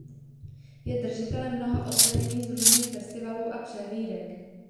Je držitelem mnoha ocenění z různých festivalů a přehlídek.